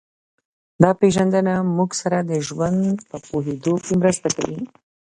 دا پېژندنه موږ سره د ژوند په پوهېدو کې مرسته کوي